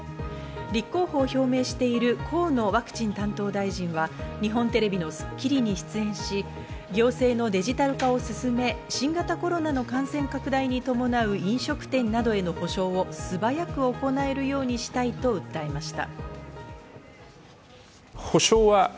立候補を表明している河野ワクチン担当大臣は日本テレビの『スッキリ』に出演し、行政のデジタル化を進め、新型コロナの感染拡大に伴う、飲食店などへの補償を素早く行えるようにしたいと訴えました。